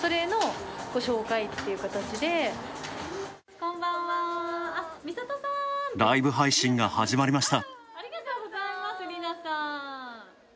こんばんは、ライブ配信が始まりました。